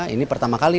ini pertama kali